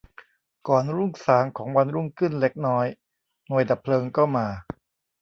ก่อนรุ่งสางของวันรุ่งขึ้นเล็กน้อย หน่วยดับเพลิงก็มา